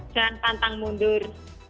jangan pantang mundur